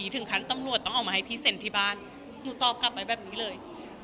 ถึงขั้นตำรวจต้องออกมาให้พี่เซ็นที่บ้านหนูตอบกลับไปแบบนี้เลย